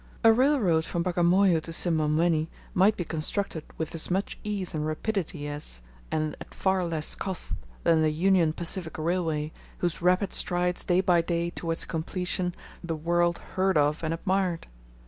A railroad from Bagamoyo to Simbamwenni might be constructed with as much ease and rapidity as, and at far less cost than the Union Pacific Railway, whose rapid strides day by day towards completion the world heard of and admired.